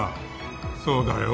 そうだよ